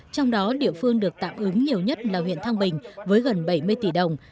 trong đó địa phương được tạm ứng nhiều nhất là huyện thăng bình với gần bảy mươi tỷ đồng